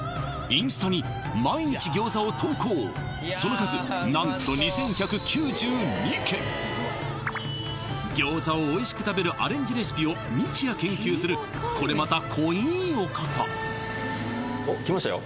インスタに毎日餃子を投稿その数何と餃子をおいしく食べるアレンジレシピを日夜研究するこれまた濃いお方おっ来ましたよ